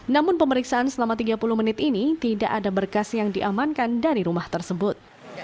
namun pemeriksaan selama tiga puluh menit ini tidak ada berkas yang diamankan dari rumah tersebut